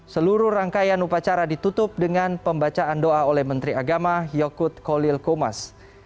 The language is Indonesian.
seluruh rangkaian upacara ditutup dengan pembacaan doa oleh menteri agama yokut kolil komas